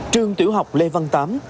trường tiểu học lê văn tám